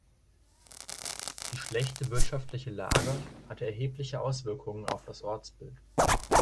Die schlechte wirtschaftliche Lage hatte erhebliche Auswirkungen auf das Ortsbild.